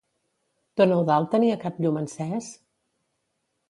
Don Eudald tenia cap llum encès?